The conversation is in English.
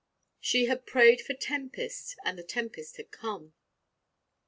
She had prayed for tempest: and the tempest had come.